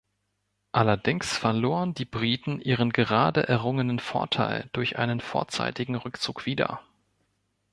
Allerdings verloren die Briten ihren gerade errungenen Vorteil durch einen vorzeitigen Rückzug wieder.